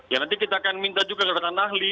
ya nanti kita akan minta juga kepadatan ahli